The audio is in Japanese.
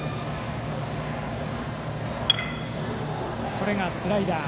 今のがスライダー。